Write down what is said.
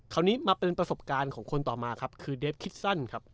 คราวนี้มาเป็นประสบการณ์ของคนต่อมาครับคือเดฟคิดสั้นครับ